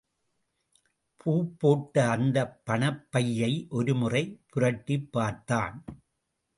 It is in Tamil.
பூப் போட்ட அந்தப் பணப்பையை ஒருமுறை புரட்டிப் பார்த்தான்.